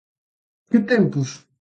Que tempos!